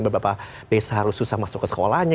beberapa desa harus susah masuk ke sekolahnya